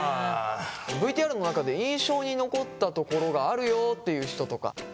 ＶＴＲの中で印象に残ったところがあるよっていう人とか？